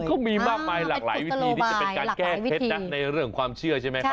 เขามีมากมายหลากหลายวิธีที่จะเป็นการแก้เคล็ดนะในเรื่องความเชื่อใช่ไหมครับ